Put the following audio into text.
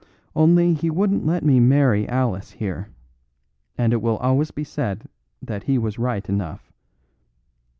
Only he wouldn't let me marry Alice here; and it will always be said that he was right enough.